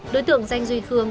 đối tượng danh duy khương